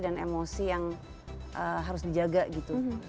dan emosi yang harus dijaga gitu